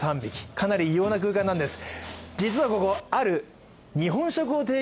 かなり異様な空間なんです。